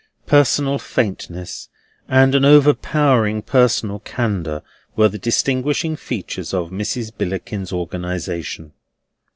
Personal faintness, and an overpowering personal candour, were the distinguishing features of Mrs. Billickin's organisation.